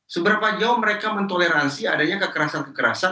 seberapa jauh mereka mentoleransi adanya kekerasan kekerasan